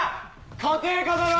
家庭科だろ？